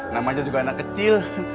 namanya juga anak kecil